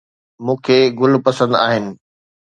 مون کي گل پسند آهن